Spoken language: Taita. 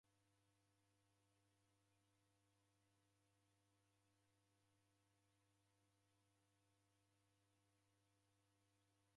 Kwanza aw'a wana wa itanaha hata kiteto cheni ndew'ichiichi.